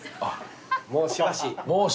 もうしばし。